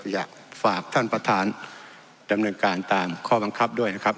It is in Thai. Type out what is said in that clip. อยากฝากท่านประธานดำเนินการตามข้อบังคับด้วยนะครับ